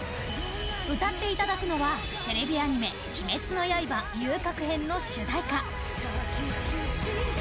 歌っていただくのはテレビアニメ「鬼滅の刃遊郭編」の主題歌。